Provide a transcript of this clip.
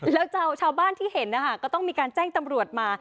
แล้วชาวบ้านที่เห็นนะคะก็ต้องมีการแจ้งตำรวจมา